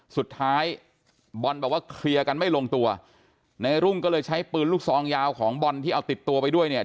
สุดท้ายบอลบอกว่าเคลียร์กันไม่ลงตัวในรุ่งก็เลยใช้ปืนลูกซองยาวของบอลที่เอาติดตัวไปด้วยเนี่ย